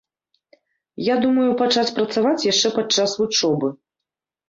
Я думаю пачаць працаваць яшчэ падчас вучобы.